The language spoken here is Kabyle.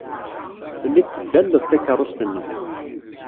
Telliḍ teddaleḍ takeṛṛust-nnem.